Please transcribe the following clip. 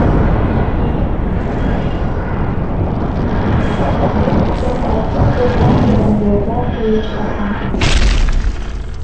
بۇ ئۇقۇم ئاددىي بولغىنى بىلەن يولغا قويۇش ئاسان ئەمەس.